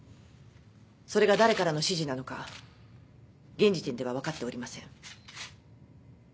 それが誰からの指示なのか現時点では分かっておりません。